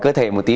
cơ thể một tí